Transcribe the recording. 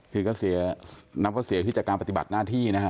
คือก็เสียนับก็เสียพิจารณ์ปฏิบัติหน้าที่นะฮะ